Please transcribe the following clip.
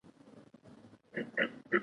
دوی د پورونو په توګه پیسې له بانکونو اخلي